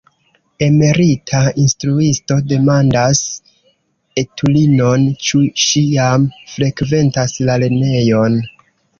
Emerita instruisto demandas etulinon, ĉu ŝi jam frekventas la lernejon.